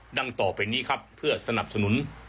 ดังต่อไปนี้ครับเพื่อสนับสนุน